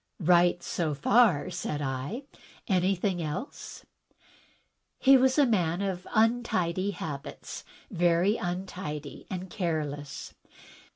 "Right, so far," said I. "Anything else?" "He was a man of tmtidy habits — ^very imtidy and careless.